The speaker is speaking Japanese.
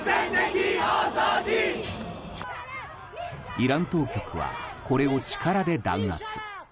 イラン当局はこれを力で弾圧。